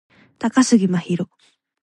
高杉真宙